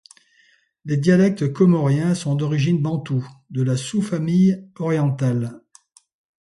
Les dialectes comoriens sont d'origine bantoue de la sous-famille orientale.